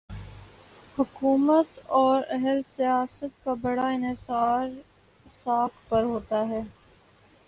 حکومت اوراہل سیاست کا بڑا انحصار ساکھ پر ہوتا ہے۔